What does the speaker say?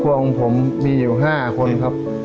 ครอบครัวของผมมีอยู่๕คนครับ